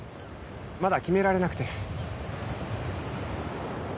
まだ決められなくて。